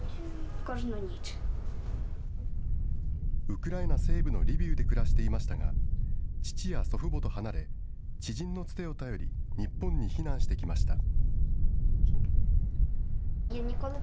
ウクライナ西部のリビウで暮らしていましたが、父や祖父母と離れ、知人のつてを頼り、日本に避難してきました。